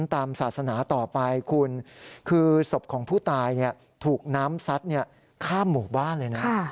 ตามศาสนาต่อไปคุณคือศพของผู้ตายถูกน้ำซัดข้ามหมู่บ้านเลยนะ